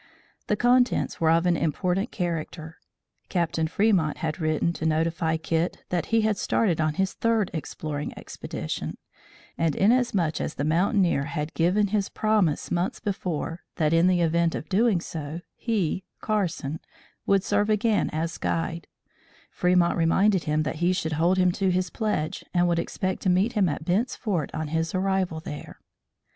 The contents were of an important character. Captain Fremont had written to notify Kit that he had started on his third exploring expedition, and, inasmuch as the mountaineer had given his promise months before, that in the event of doing so, he (Carson) would serve again as guide, Fremont reminded him that he should hold him to his pledge and would expect to meet him at Bent's Fort on his arrival there.